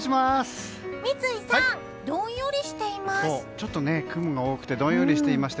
三井さん、どんよりしています。